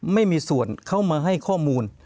ไม่มีส่วนเข้ามาให้ข้อมูล